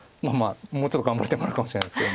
もうちょっと頑張ってもらうかもしれないですけど